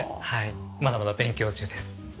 まだまだ勉強中です。